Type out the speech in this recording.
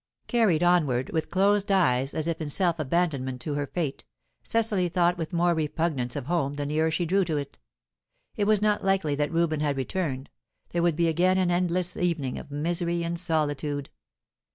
Carried onward, with closed eyes as if in self abandonment to her fate, Cecily thought with more repugnance of home the nearer she drew to it. It was not likely that Reuben had returned; there would be again an endless evening of misery in solitude.